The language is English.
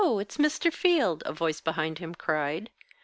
It's Mr. Field!" a voice behind him cried.